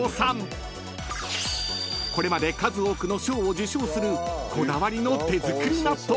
［これまで数多くの賞を受賞するこだわりの手作り納豆］